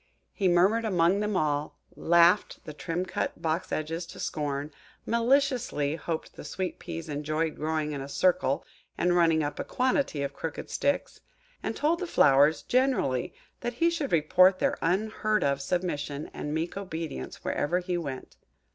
He murmured among them all–laughed the trim cut Box edges to scorn–maliciously hoped the Sweet peas enjoyed growing in a circle, and running up a quantity of crooked sticks–and told the flowers, generally, that he should report their unheard of submission and meek obedience wherever he went.